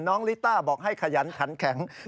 ลิต้าบอกให้ขยันขันแข็ง